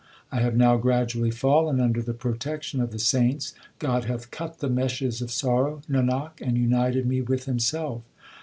I have now gradually fallen under the protection of the saints ; God hath cut the meshes of sorrow, Nanak, and united me with Himself.